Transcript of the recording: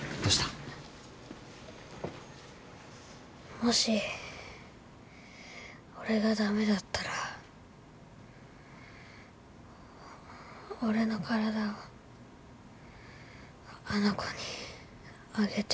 もし俺が駄目だったら俺の体をあの子にあげて。